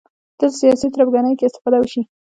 تل سیاسي تربګنیو کې استفاده وشي